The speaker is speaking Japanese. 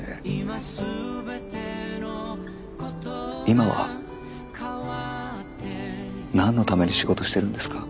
今は何のために仕事してるんですか？